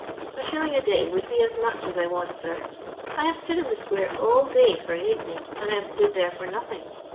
*' A shilling a day would be as much as I want, sir. I have stood in the squoi e all day for a ha'penny, and I have stood here for no thing.